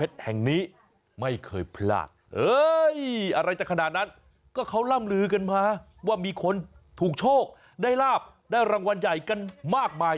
อะไรจะขนาดนั้นก็เขาล่ำลือกันมาว่ามีคนถูกโชคได้ลาบได้รางวัลใหญ่กันมากมาย